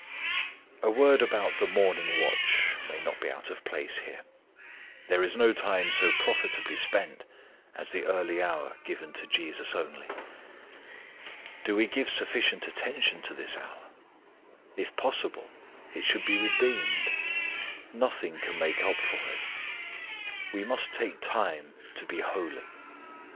A word about the morning watch may not be out of place here. There is no time so profitably spent as the early hour given to JESUS only. Do we give sufficient attention to this hour? If possible, it should be redeemed; nothing can make up for it. We must take time to be holy!